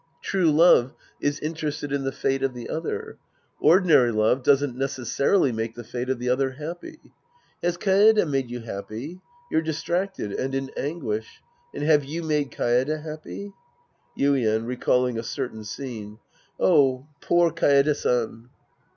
True love is interested in the fate of the other. Ordinary love doesn't necessarily make the fate of the other happy. Has Kaede made you happy? You're distracted and in anguish. And have you made Kaede happy ? Yuien (Recalling a certain scene). Oh, poor Kaede San!